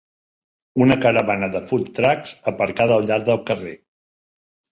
Una caravana de food trucks aparcada al llarg del carrer.